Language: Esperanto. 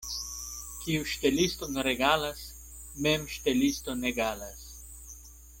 Kiu ŝteliston regalas, mem ŝteliston egalas.